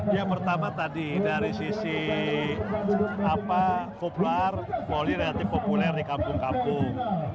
ya pertama tadi dari sisi populer poli relatif populer di kampung kampung